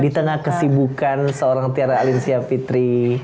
di tengah kesibukan seorang tiara alinsia fitri